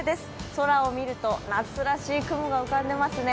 空を見ると、夏らしい雲が浮かんでいますね。